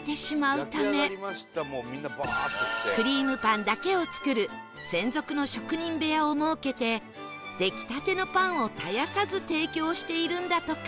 くりぃむぱんだけを作る専属の職人部屋を設けて出来たてのパンを絶やさず提供しているんだとか